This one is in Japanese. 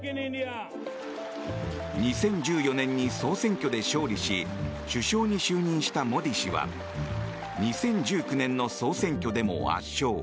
２０１４年に総選挙で勝利し首相に就任したモディ氏は２０１９年の総選挙でも圧勝。